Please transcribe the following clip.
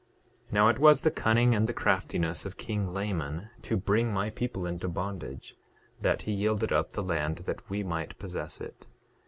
9:10 Now it was the cunning and the craftiness of king Laman, to bring my people into bondage, that he yielded up the land that we might possess it.